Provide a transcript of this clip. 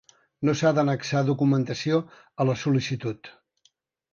No s'ha d'annexar documentació a la sol·licitud.